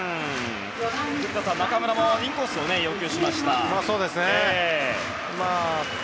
古田さん、中村もインコースを要求しました。